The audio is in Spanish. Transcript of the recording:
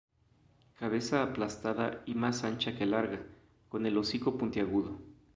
Cabeza aplastada y más ancha que larga, con el hocico puntiagudo.